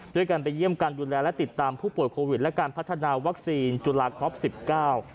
ด้วยการไปเยี่ยมการดูแลและติดตามผู้ป่วยโควิดและการพัฒนาวัคซีนจุฬาคอปสิบเก้า